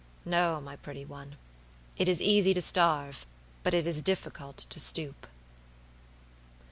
No, my pretty one; it is easy to starve, but it is difficult to stoop."